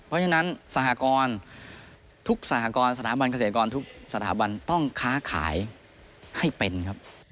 เพราะฉะนั้นสหกรทุกสหกรณ์สถาบันเกษตรกรทุกสถาบันต้องค้าขายให้เป็นครับ